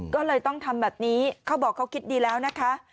ก็เลยต้องทำแบบนี้เขาบอกเขาคิดดีแล้วนะคะ